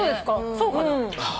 そうかな？